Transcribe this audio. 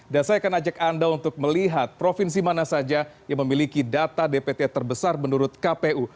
dan saya akan ajak anda untuk melihat provinsi mana saja yang memiliki data dpt terbesar menurut kpu